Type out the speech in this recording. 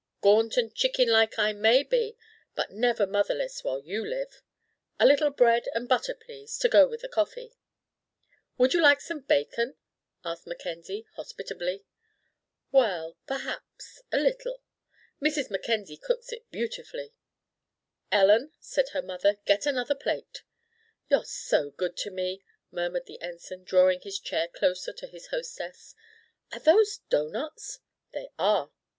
"Gaunt and chicken like I may be, but never motherless while you live. A little bread and butter, please, to go with the coffee." "Wouldn't you like some bacon?" asked Mackenzie, hospitably. "Well, perhaps a little. Mrs. Mackenzie cooks it beautifully." "Ellen," said her mother, "get another plate." "You're so good to me," murmured the Ensign, drawing his chair closer to his hostess. "Are those doughnuts?" "They are."